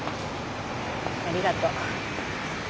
ありがとう。